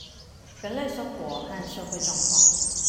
人類生活和社會狀況